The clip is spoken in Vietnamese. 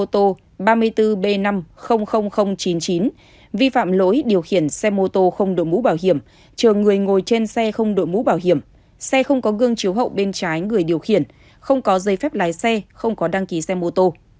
t vi phạm nhiều lỗi điều khiển xe mô tô không đội mũ bảo hiểm chờ người ngồi trên xe không đội mũ bảo hiểm xe không có gương chiều hậu bên trái người điều khiển không có giấy phép lái xe không có đăng ký xe mô tô